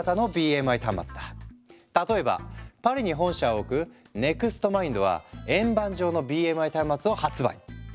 例えばパリに本社を置くＮｅｘｔＭｉｎｄは円盤状のＢＭＩ端末を発売。